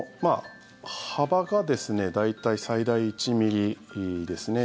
幅が大体、最大１ｍｍですね。